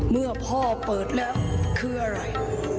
เมื่อพ่อเปิดแล้วคืออะไร